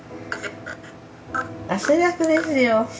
汗だくですよ。